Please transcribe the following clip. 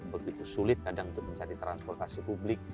begitu sulit kadang untuk mencari transportasi publik